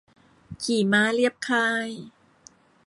ขี่ม้าเลียบค่าย